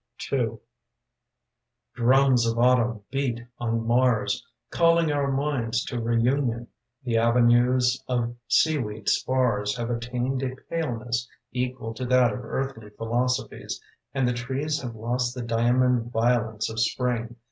" II \ J RUMS of Autumn beat on Mars, Calling our minds to reunion. The avenues of seaweed spars Have attained a paleness Equal to that of earthly philosophies, And the trees have lost The diamond violence of Spring.